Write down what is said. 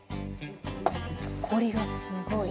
ほこりがすごい！